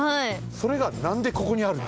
それがなんでここにあるの？